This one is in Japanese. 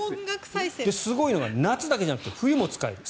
すごいのが夏だけじゃなくて冬も使えます。